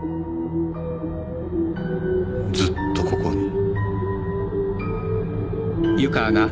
ずっとここに。